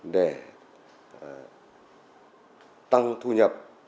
để tăng thu nhập